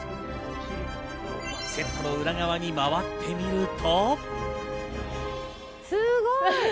セットの裏側に回ってみると。